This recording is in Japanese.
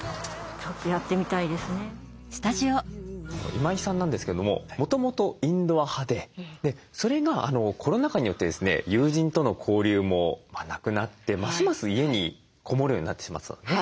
今井さんなんですけれどももともとインドア派でそれがコロナ禍によってですね友人との交流もなくなってますます家にこもるようになってしまってたんですね。